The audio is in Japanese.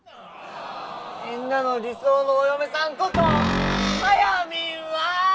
みんなの理想のお嫁さんことはやみんは！